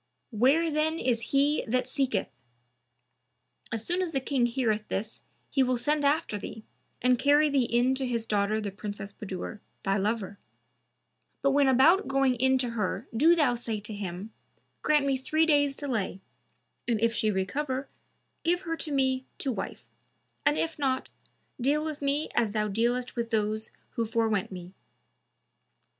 Where then is he that seeketh?' As soon as the King heareth this, he will send after thee and carry thee in to his daughter the Princess Budur, thy lover; but when about going in to her do thou say to him, 'Grant me three days' delay, and if she recover, give her to me to wife; and if not, deal with me as thou dealest with those who forewent me.'